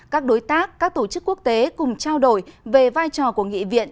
các đối tác các tổ chức quốc tế cùng trao đổi về vai trò của nghị viện